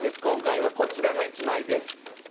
今回はこちらの１枚です。